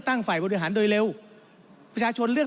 ท่านประธานก็เป็นสอสอมาหลายสมัย